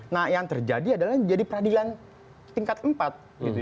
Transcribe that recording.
nah yang terjadi adalah jadi peradilan tingkat empat